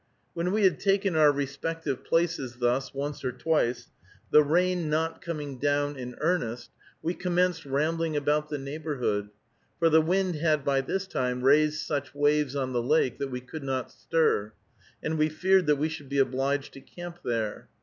When we had taken our respective places thus once or twice, the rain not coming down in earnest, we commenced rambling about the neighborhood, for the wind had by this time raised such waves on the lake that we could not stir, and we feared that we should be obliged to camp there.